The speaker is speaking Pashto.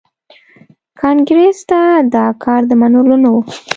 کانګریس ته دا کار د منلو نه و.